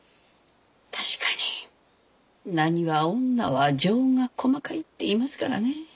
確かに浪花女は情が細かいっていいますからね。